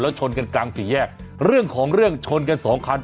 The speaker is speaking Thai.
ชนกันกลางสี่แยกเรื่องของเรื่องชนกันสองคัน